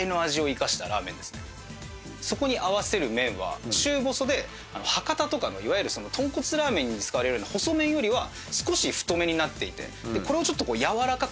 そこに合わせる麺は中細で博多とかのいわゆる豚骨ラーメンに使われるような細麺よりは少し太めになっていて。